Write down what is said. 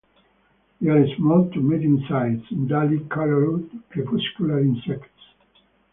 They are small to medium-sized, dully coloured, crepuscular insects.